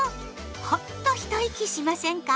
ホッと一息しませんか？